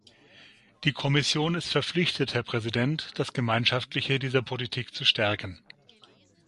Die Kommission ist verpflichtet, Herr Präsident, das Gemeinschaftliche dieser Politik zu stärken.